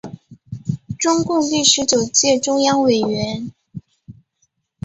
中共第十九届中央委员。